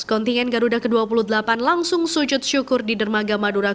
kontingen garuda ke dua puluh delapan langsung sujud syukur di dermaga madura